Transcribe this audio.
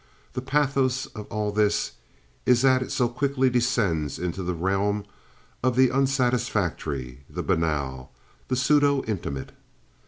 The pathos of all this is that it so quickly descends into the realm of the unsatisfactory, the banal, the pseudo intimate.